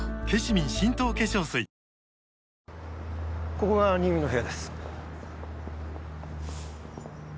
ここが新見の部屋です。